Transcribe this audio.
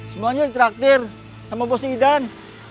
semuanya di traktir sama bos idan